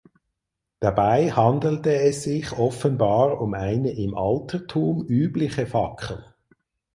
Dabei handelte es sich offenbar um eine im Altertum übliche Fackel.